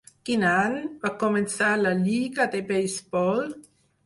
Quin any va començar la lliga de beisbol?